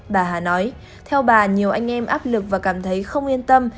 bà hà nói theo bà nhiều anh em áp lực và cảm thấy không yên tâm